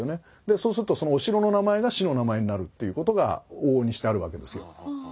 そうするとそのお城の名前が市の名前になるっていうことが往々にしてあるわけですよ。